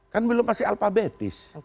kan belum pasti alfabetis